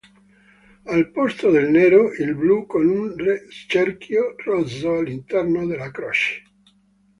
Al posto del nero il blu con un cerchio rosso all'interno della croce.